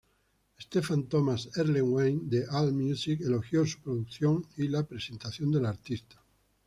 Stephen Thomas Erlewine de AllMusic elogió su producción y la presentación del artista.